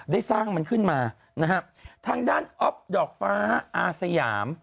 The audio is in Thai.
ได้สร้างมันขึ้นมานะฮะทางด้านอ๊อฟดอกฟ้าอาสยาม